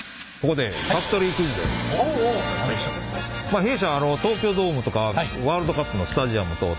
弊社東京ドームとかワールドカップのスタジアム等々